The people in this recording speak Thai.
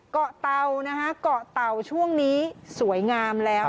เตานะคะเกาะเตาช่วงนี้สวยงามแล้ว